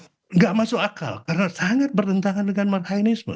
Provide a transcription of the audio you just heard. tidak masuk akal karena sangat bertentangan dengan margainisme